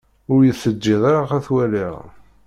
Ur yi-teǧǧiḍ ara ad t-waliɣ.